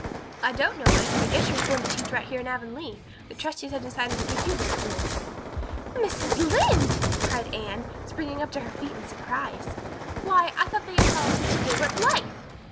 "I don't know it. I guess you're going to teach right here in Avonlea. The trustees have decided to give you the school." "Mrs. Lynde!" cried Anne, springing to her feet in her surprise. "Why, I thought they had promised it to Gilbert Blythe!"